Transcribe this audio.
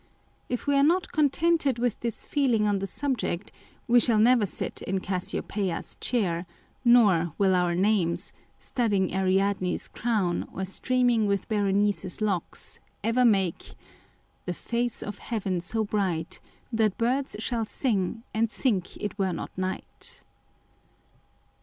If we are not contented with this feeling on the subject, we shall never sit in Cassiopeia's chair, nor will our names, studding Ariadne's crown or streaming with Berenice's locks, ever make the face of heaven so bright, That birds shall sing, and think it were not night.